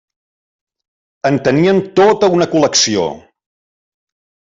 En tenien tota una col·lecció.